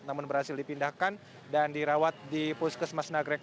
namun berhasil dipindahkan dan dirawat di puskesmas nagrek